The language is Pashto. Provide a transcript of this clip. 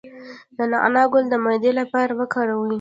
د نعناع ګل د معدې لپاره وکاروئ